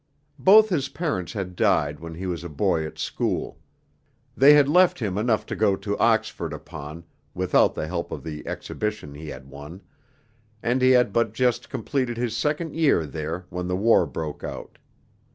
Both his parents had died when he was a boy at school. They had left him enough to go to Oxford upon (without the help of the Exhibition he had won), and he had but just completed his second year there when the war broke out.